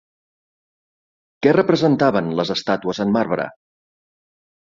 Què representaven les estàtues en marbre?